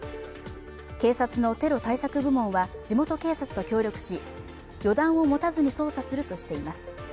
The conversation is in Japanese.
警察のテロ対策部門は地元警察と協力し予断を持たずに捜査するとしています。